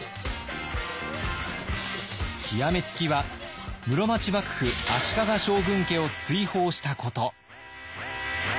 極め付きは室町幕府足利将軍家を追放したこと。